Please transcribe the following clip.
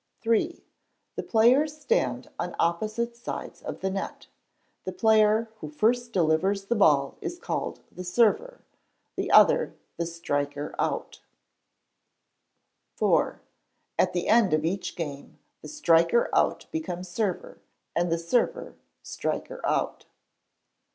iii. The players stand on opposite sides of the net. The player who first delivers the ball is called the server, the other the striker out. iv. At the end of each game the striker out becomes server, and the server striker out.